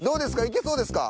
いけそうですか？